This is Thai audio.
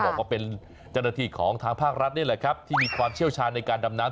บอกว่าเป็นเจ้าหน้าที่ของทางภาครัฐนี่แหละครับที่มีความเชี่ยวชาญในการดำน้ำ